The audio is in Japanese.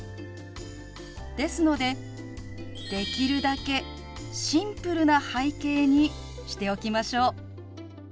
ですのでできるだけシンプルな背景にしておきましょう。